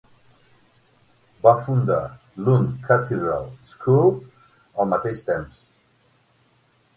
Va fundar Lund Cathedral School al mateix temps.